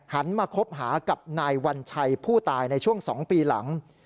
หันมาคบหากับนายวัญชัยผู้ตายในช่วง๒ปีหลัง